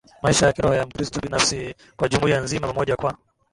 maisha ya Kiroho ya Mkristo binafsi na kwa jumuia nzima pamoja Kwa